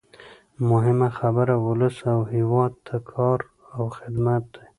مهمه خبره ولس او هېواد ته کار او خدمت دی.